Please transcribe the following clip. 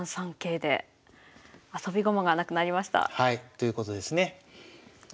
ということですね。